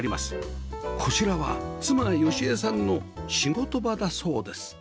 こちらは妻由恵さんの仕事場だそうです